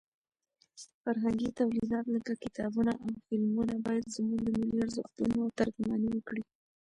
فرهنګي تولیدات لکه کتابونه او فلمونه باید زموږ د ملي ارزښتونو ترجماني وکړي.